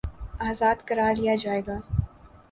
آزاد کرا لیا جائے گا